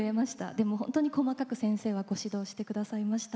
でもほんとに細かく先生はご指導して下さいました。